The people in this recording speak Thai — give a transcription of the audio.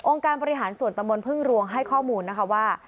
องค์การปริหารส่วนตะมนต์พึ่งรวงให้ข้อมูลว่า